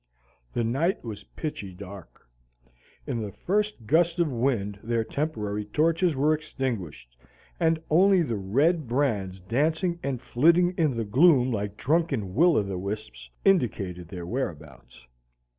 The night was pitchy dark. In the first gust of wind their temporary torches were extinguished, and only the red brands dancing and flitting in the gloom like drunken will o' the wisps indicated their whereabouts.